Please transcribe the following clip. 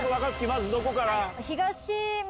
まずどこから？